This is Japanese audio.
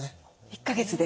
１か月で？